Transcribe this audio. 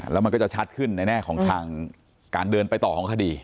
แล้วมันก็จะชัดขึ้นในแน่ของทางการเดินไปต่อของคดี